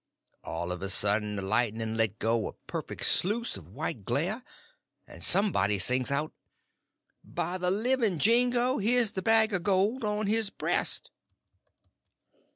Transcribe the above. All of a sudden the lightning let go a perfect sluice of white glare, and somebody sings out: "By the living jingo, here's the bag of gold on his breast!"